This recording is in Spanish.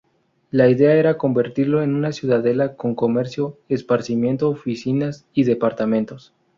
La idea era convertirlo en una ciudadela con comercio, esparcimiento, oficinas y departamentos.